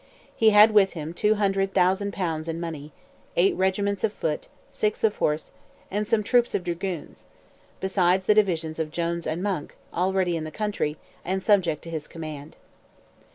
He had with him two hundred thousand pounds in money, eight regiments of foot, six of horse, and some troops of dragoons; besides the divisions of Jones and Monck, already in the country, and subject to his command.